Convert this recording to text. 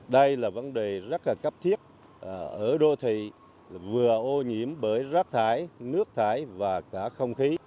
đây là vấn đề rất là cấp thiết ở đô thị vừa ô nhiễm bởi rác thải nước thải và cả không khí